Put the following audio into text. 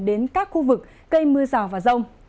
đến các khu vực cây mưa rào và rông